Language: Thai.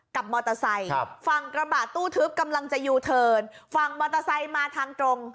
กับมอเตอร์ไซค์ฝั่งกระบะตู้ทึบกำลังจะยูเทิร์นฝั่งมอเตอร์ไซค์มาทางตรง